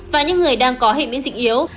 và những người đang có hệ biến dịch yếu